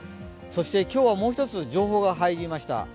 そして今日はもう一つ情報が入りました。